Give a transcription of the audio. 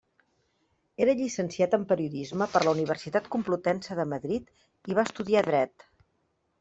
Era llicenciat en periodisme per la Universitat Complutense de Madrid i va estudiar Dret.